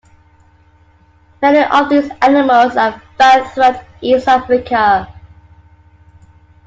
Many of these animals are found throughout East Africa.